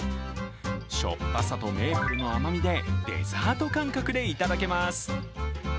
しょっぱさとメープルの甘みでデザート感覚でいただけます。